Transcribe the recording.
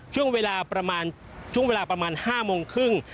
ช่วงเวลาประมาณ๕โมงครึ่ง